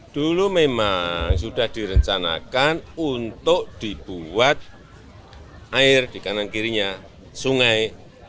dulu memang sudah direncanakan untuk dibuat air di kanan kirinya sungai